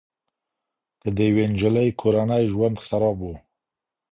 که د يوې نجلۍ کورنی ژوند خراب وو